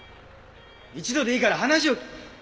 一度でいいから話を。